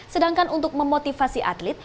sedangkan untuk memotivasi atlet